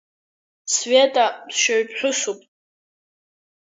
Света ԥсшьаҩԥҳәысуп.